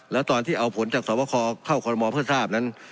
แล้วตอนที่เอาผลจากสวบคอเข้าคอรมอเพื่อทราบนั้น